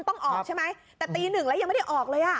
ต้องออกใช่ไหมแต่ตีหนึ่งแล้วยังไม่ได้ออกเลยอ่ะ